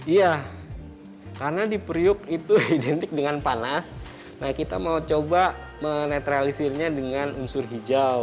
iya karena di priuk itu identik dengan panas nah kita mau coba menetralisirnya dengan unsur hijau